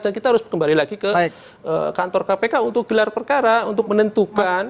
dan kita harus kembali lagi ke kantor kpk untuk gelar perkara untuk menentukan